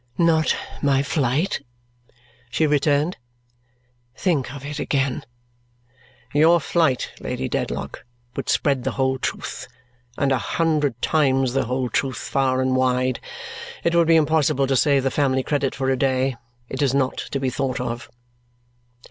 "Not my flight?" she returned. "Think of it again." "Your flight, Lady Dedlock, would spread the whole truth, and a hundred times the whole truth, far and wide. It would be impossible to save the family credit for a day. It is not to be thought of."